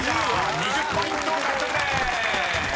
２０ポイント獲得です］